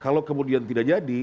kalau kemudian tidak jadi